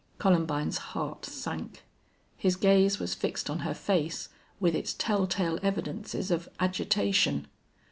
Columbine's heart sank. His gaze was fixed on her face, with its telltale evidences of agitation.